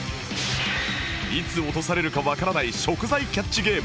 いつ落とされるかわからない食材キャッチゲーム